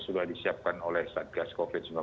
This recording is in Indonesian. sudah disiapkan oleh satgas covid sembilan belas